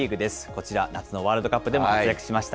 こちら、夏のワールドカップでも活躍しました、